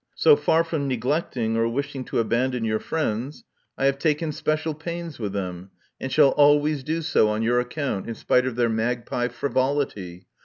So far from neglect ing or wishing to abandon your friends, I have taken special pains with them, and shall always do so on your account, in spite of their magpie frivolity.